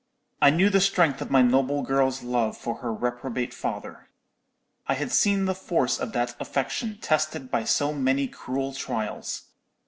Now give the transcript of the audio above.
"I knew the strength of my noble girl's love for her reprobate father. I had seen the force of that affection tested by so many cruel trials.